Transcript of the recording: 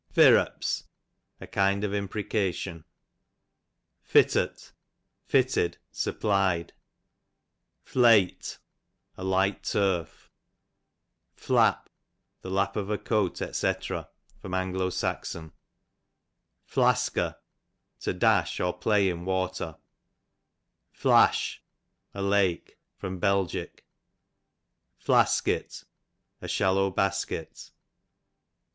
Firrups, a kind of imprecation. Fittut, fitted, supply'd. Flaiglit, a liglit turf. Flap, the lap of a coat, dr. A. S. Flasker, to dash or play in water. Flash, a lake. Bel. Flasket, a shallow basket.